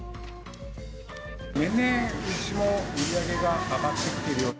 年々、うちも売り上げが上がってきているような。